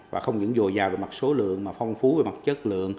và không những dồi dào về mặt số lượng mà phong phú về mặt chất lượng